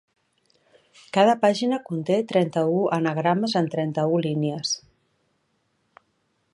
Cada pàgina conté trenta-u anagrames en trenta-u línies.